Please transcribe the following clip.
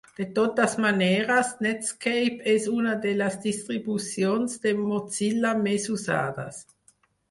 De totes maneres, Netscape és una de les distribucions de Mozilla més usades.